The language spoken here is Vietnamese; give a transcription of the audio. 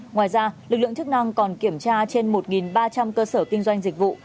ngoài ra lực lượng chức năng còn kiểm tra trên một ba trăm linh cơ sở kinh doanh dịch vụ